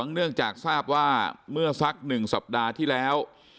เนื่องจากทราบว่าเมื่อสัก๑สัปดาห์ที่แล้ว